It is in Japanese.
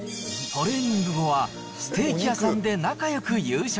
トレーニング後は、ステーキ屋さんで仲よく夕食。